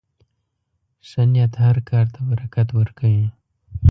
ښه نیت هر کار ته برکت ورکوي.